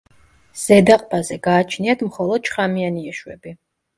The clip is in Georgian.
ზედა ყბაზე გააჩნიათ მხოლოდ შხამიანი ეშვები.